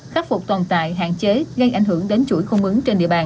khắc phục toàn tại hạn chế gây ảnh hưởng đến chuỗi không ứng trên địa bàn